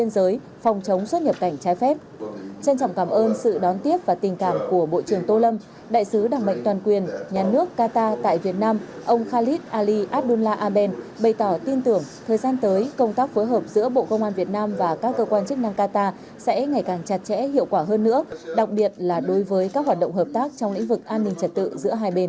đại sứ đảng mệnh toàn quyền nhà nước qatar tại việt nam ông khalid ali abdullah abed bày tỏ tin tưởng thời gian tới công tác phối hợp giữa bộ công an việt nam và các cơ quan chức năng qatar sẽ ngày càng chặt chẽ hiệu quả hơn nữa đặc biệt là đối với các hoạt động hợp tác trong lĩnh vực an ninh trật tự giữa hai bên